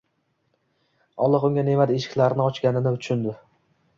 Alloh unga ne`mat eshiklarini ochganini tushundi